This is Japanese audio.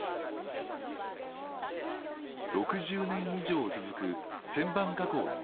６０年以上続く旋盤加工の工場。